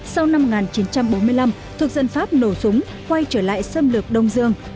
sau năm một nghìn chín trăm bốn mươi năm thực dân pháp nổ súng quay trở lại xâm lược đông dương